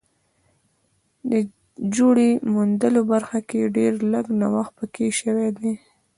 د جوړې موندلو برخه کې ډېر لږ نوښت پکې شوی دی